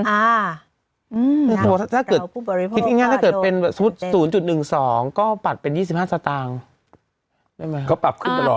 ถ้าเกิดเป็นศูนย์๐๑๒ก็ปัดเป็น๒๕สตางค์ได้ไหมครับ